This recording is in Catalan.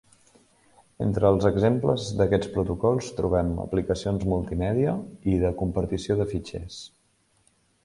Entre els exemples d'aquests protocols, trobem aplicacions multimèdia i de compartició de fitxers.